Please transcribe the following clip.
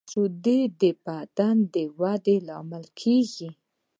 شیدې د بدن د ودې لامل کېږي